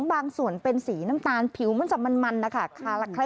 บางส่วนเป็นสีน้ำตาลผิวมันจะมันนะคะ